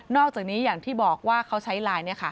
อกจากนี้อย่างที่บอกว่าเขาใช้ไลน์